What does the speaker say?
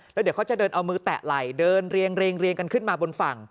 แล้วเดี๋ยวเขาจะเดินเอามือแตะไหล่เดินเรียงกันขึ้นมาบนฝั่ง